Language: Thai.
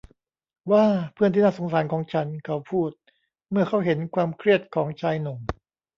ว้า เพื่อนที่น่าสงสารของฉัน เขาพูด เมื่อเค้าเห็นความเครียดของชายหนุ่ม